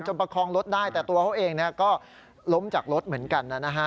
ประคองรถได้แต่ตัวเขาเองก็ล้มจากรถเหมือนกันนะฮะ